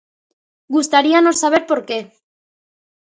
Gustaríanos saber por que.